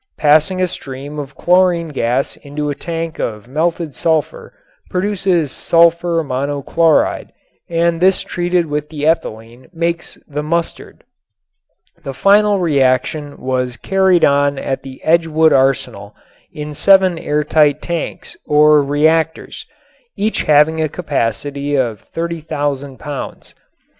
Passing a stream of chlorine gas into a tank of melted sulfur produces sulfur monochloride and this treated with the ethylene makes the "mustard." The final reaction was carried on at the Edgewood Arsenal in seven airtight tanks or "reactors," each having a capacity of 30,000 pounds.